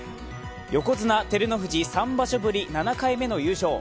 横綱・照ノ富士、３場所目、７回目の優勝。